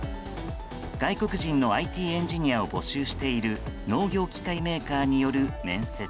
外国人のＩＴエンジニアを募集している農業機械メーカーによる面接。